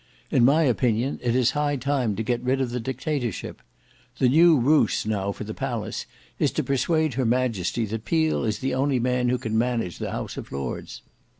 In my opinion it is high time to get rid of the dictatorship. The new ruse now for the palace is to persuade her Majesty that Peel is the only man who can manage the House of Lords.